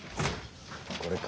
これか。